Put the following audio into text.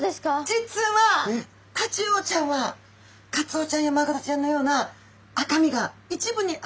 実はタチウオちゃんはカツオちゃんやマグロちゃんのような一部に。